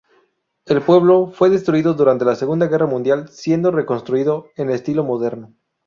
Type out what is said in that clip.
El pueblo fue destruido durante la Segunda Guerra Mundial, siendo reconstruido en estilo moderno.